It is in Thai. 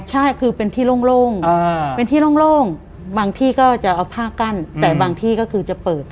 ใช่คือเป็นที่โล่งเป็นที่โล่งบางที่ก็จะเอาผ้ากั้นแต่บางที่ก็คือจะเปิด